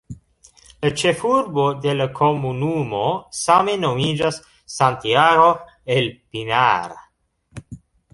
La ĉefurbo de la komunumo same nomiĝas "Santiago el Pinar".